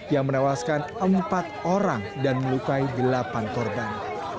yang menewaskan empat orang dan melukai delapan korban